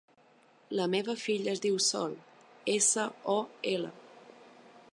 La meva filla es diu Sol: essa, o, ela.